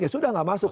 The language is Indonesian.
ya sudah gak masuk